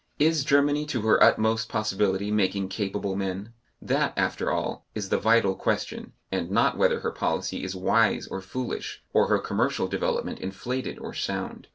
Is Germany to her utmost possibility making capable men? That, after all, is the vital question, and not whether her policy is wise or foolish, or her commercial development inflated or sound.